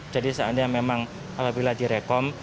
jadi seandainya memang apabila direkom